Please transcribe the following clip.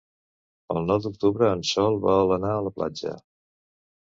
El nou d'octubre en Sol vol anar a la platja.